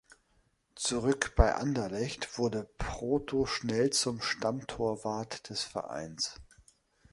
Zurück bei Anderlecht wurde Proto schnell zum Stammtorwart des Vereins.